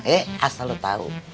eh asal lo tau